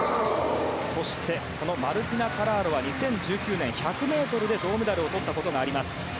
そして、マルティナ・カラーロは前回大会、１００ｍで銅メダルをとったことがあります。